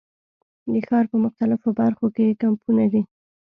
د ښار په مختلفو برخو کې یې کمپونه دي.